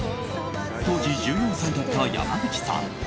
当時１４歳だった山口さん。